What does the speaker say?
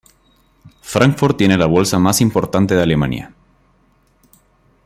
Fráncfort tiene la bolsa más importante de Alemania.